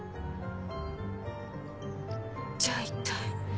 じゃあ一体？